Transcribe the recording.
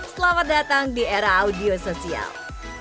selamat datang di era audio sosial